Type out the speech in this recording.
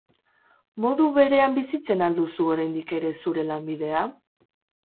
Modu berean bizitzen al duzu oraindik ere zure lanbidea?